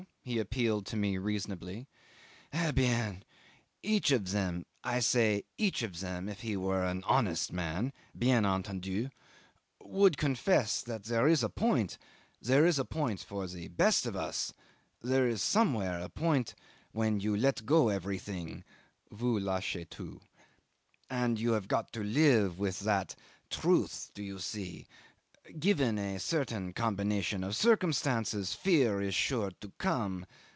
he appealed to me reasonably. "Eh bien! Each of them I say each of them, if he were an honest man bien entendu would confess that there is a point there is a point for the best of us there is somewhere a point when you let go everything (vous lachez tout). And you have got to live with that truth do you see? Given a certain combination of circumstances, fear is sure to come.